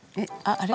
あれ？